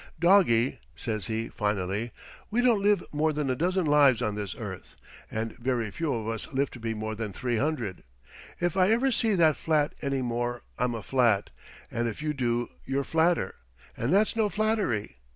"Doggie," says he, finally, "we don't live more than a dozen lives on this earth, and very few of us live to be more than 300. If I ever see that flat any more I'm a flat, and if you do you're flatter; and that's no flattery.